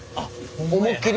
思いっきり。